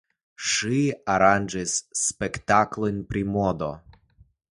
Ŝi aranĝis spektaklojn pri modo.